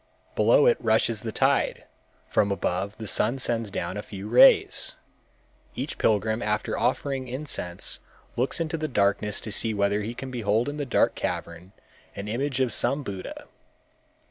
Below it rushes the tide; from above the sun sends down a few rays. Each pilgrim after offering incense looks into the darkness to see whether he can behold in the dark cavern an image of some Buddha.